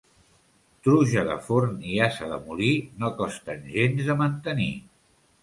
Truja de forn i ase de molí no costen gens de mantenir.